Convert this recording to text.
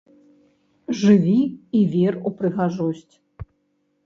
Жыві і вер у прыгажосць!